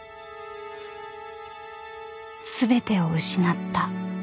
［全てを失った］